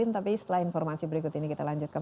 tapi setelah informasi berikut ini kita lanjutkan